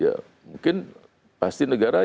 ya mungkin pasti negara ya akan bangun